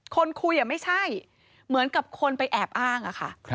คนคุยไม่ใช่เหมือนกับคนไปแอบอ้างอะค่ะ